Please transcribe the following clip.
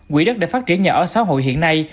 quỹ đất để phát triển nhà ở xã hội hiện nay